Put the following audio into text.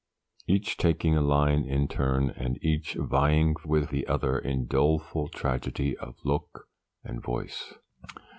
each taking a line in turn, and each vying with the other in doleful tragedy of look and voice.